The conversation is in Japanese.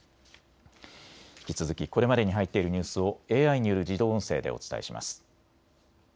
引き続き、これまでに入っているニュースをＡＩによる自動音声でお伝えします。